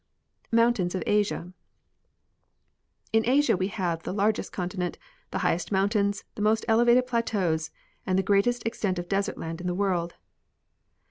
Mountains of Asia. In Asia we have the largest continent, the highest mountains, the most elevated plateaus and the greatest extent of desert land in the world.